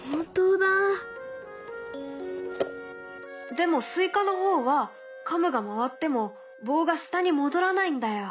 でもスイカの方はカムが回っても棒が下に戻らないんだよ。